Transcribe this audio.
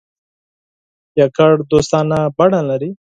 یوازې دوستانه بڼه لري.